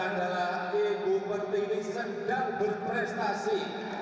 yang benar adalah ibu pertiwi sedang berprestasi